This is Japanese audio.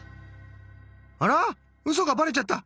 あらウソがばれちゃった。